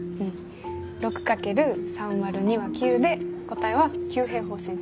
６×３÷２は９で答えは９平方センチメートル。